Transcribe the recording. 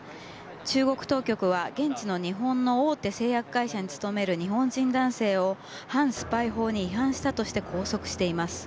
中国当局は現地の日本の大手製薬会社に勤める日本人男性を反スパイ法に違反したとして拘束しています。